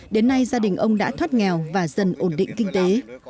đến nay gia đình ông đã thoát nghèo và dần ổn định kinh tế